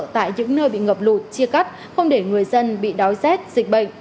tại những nơi bị ngập lụt chia cắt không để người dân bị đói rét dịch bệnh